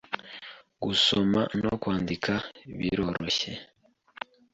gusoma no kwandika biroroshye,